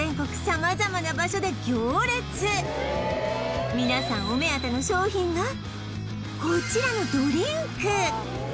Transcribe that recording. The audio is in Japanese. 様々な場所で行列皆さんお目当ての商品がこちらのドリンク